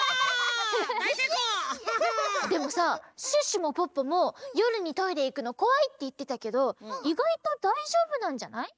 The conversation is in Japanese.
でもさシュッシュもポッポもよるにトイレいくのこわいっていってたけどいがいとだいじょうぶなんじゃない？